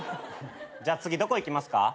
じゃ次どこ行きますか？